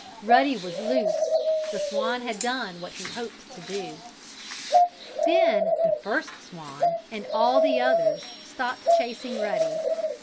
Ruddy was loose. The swan had done what he hoped to do. Then the first swan, and all the others, stopped chasing Ruddy.